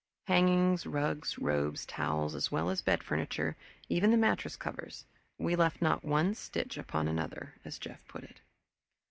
Hangings, rugs, robes, towels, as well as bed furniture even the mattress covers we left not one stitch upon another, as Jeff put it.